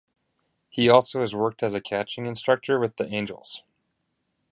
He also has worked as a catching instructor with the Angels.